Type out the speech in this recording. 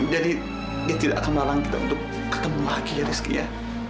jadi dia tidak akan melarang kita untuk ketemu lagi ya rizky ya